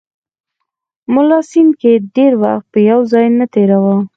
ملا سنډکي ډېر وخت په یو ځای نه تېراوه.